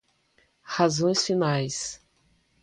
razões finais